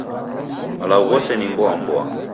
Malagho ghose ni mboa mboa.